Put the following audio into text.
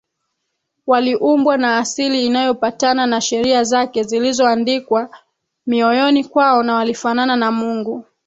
Waliumbwa na asili inayopatana na Sheria zake zilizoandikwa Mioyoni kwao na walifanana na Mungu